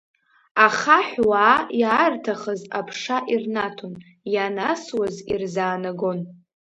Ахаҳә уаа иаарҭахыз аԥша ирнаҭон, ианасуаз ирзаанагон.